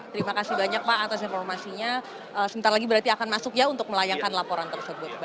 terima kasih banyak pak atas informasinya sebentar lagi berarti akan masuk ya untuk melayangkan laporan tersebut